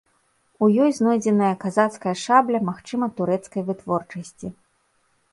У ёй знойдзеная казацкая шабля, магчыма, турэцкай вытворчасці.